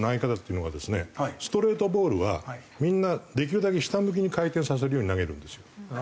ストレートボールはみんなできるだけ下向きに回転させるように投げるんですよ。